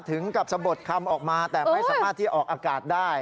ถึงกับสะบดคำออกมาแต่ไม่สามารถที่ออกอากาศได้